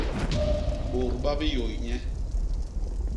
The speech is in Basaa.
Bôt ba biyôy nye.